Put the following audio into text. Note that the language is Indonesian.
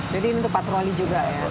jadi ini untuk patroli juga ya